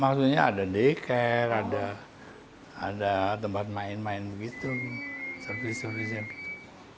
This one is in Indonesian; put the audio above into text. maksudnya ada day care ada tempat main main gitu servis servisnya gitu